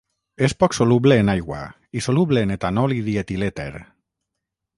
És poc soluble en aigua i soluble en etanol i dietilèter.